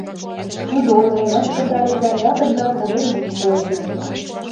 — Тудо ойлен ыш пытаре да ятыр жап урем мучко ончыш.